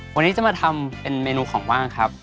วันนี้จะมาทำเป็นเมนูของว่างครับ